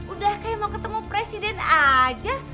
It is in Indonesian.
udah kayak mau ketemu presiden aja